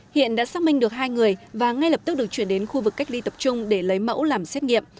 hiện đã xác minh được hai người và ngay lập tức được chuyển đến khu vực cách ly tập trung để lấy mẫu làm xét nghiệm